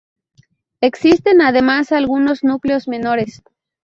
Existen además algunos núcleos menores.